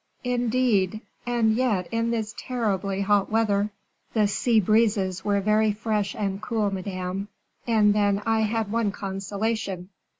"Indeed! and yet in this terribly hot weather " "The sea breezes were very fresh and cool, Madame, and then I had one consolation."